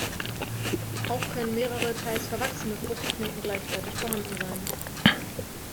Auch können mehrere teils verwachsene Fruchtknoten gleichzeitig vorhanden sein.